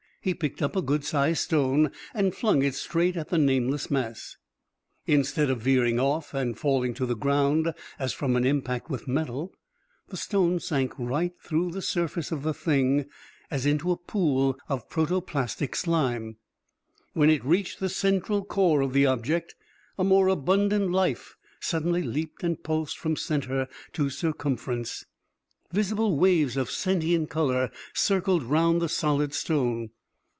He picked up a good sized stone and flung it straight at the nameless mass! Instead of veering off and falling to the ground as from an impact with metal, the stone sank right through the surface of the Thing as into a pool of protoplastic slime. When it reached the central core of the object, a more abundant life suddenly leaped and pulsed from center to circumference. Visible waves of sentient color circled round the solid stone.